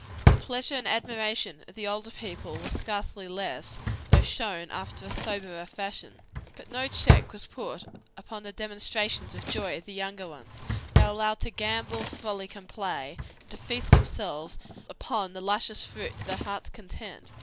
The pleasure and admiration of the older people were scarcely less, though shown after a soberer fashion. But no check was put upon the demonstrations of joy of the younger ones: they were allowed to gambol, frolic, and play, and to feast themselves upon the luscious fruit to their hearts' content.